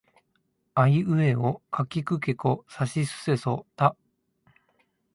あいうえおかきくけこさしすせそた